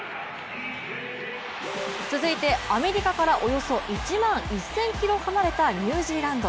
続いてアメリカからおよそ１万１０００ｋｍ離れたニュージーランド。